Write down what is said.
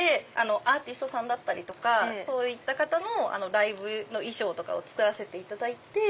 アーティストさんだったりとかそういった方のライブの衣装を作らせていただいて。